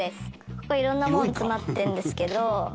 ここいろんなもん詰まってるんですけど。